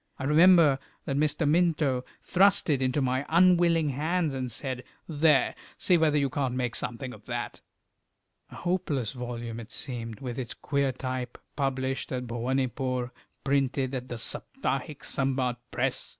I remember that Mr. Minto thrust it into my unwilling hands, and said "There! see whether you can't make something of that." A hopeless volume it seemed, with its queer type, published at Bhowanipore, printed at the Saptahiksambad Press!